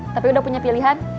tapi udah punya pilihan